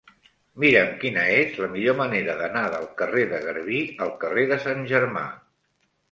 Mira'm quina és la millor manera d'anar del carrer de Garbí al carrer de Sant Germà.